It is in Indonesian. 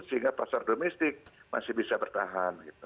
sehingga pasar domestik masih bisa bertahan